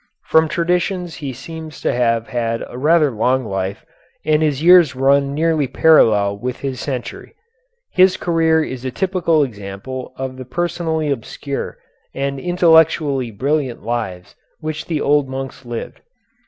From traditions he seems to have had a rather long life, and his years run nearly parallel with his century. His career is a typical example of the personally obscure and intellectually brilliant lives which the old monks lived.